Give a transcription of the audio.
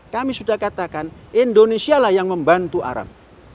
kami sudah katakan indonesia lah yang membantu arab